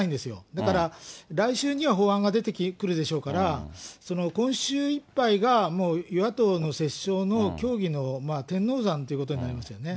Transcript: だから来週には法案が出てくるでしょうから、今週いっぱいが、もう与野党のせっしょうの協議の天王山ということになりますよね。